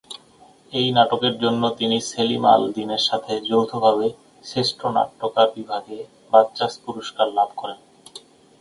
এই নাটকের জন্য তিনি সেলিম আল দীনের সাথে যৌথভাবে শ্রেষ্ঠ নাট্যকার বিভাগে বাচসাস পুরস্কার লাভ করেন।